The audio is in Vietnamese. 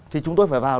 thì chúng tôi phải vào